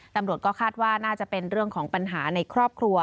ตำรวจก็คาดว่าน่าจะเป็นเรื่องของปัญหาในครอบครัว